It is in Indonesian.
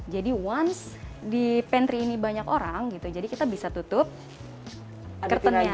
jadi once di pantry ini banyak orang gitu jadi kita bisa tutup curtainnya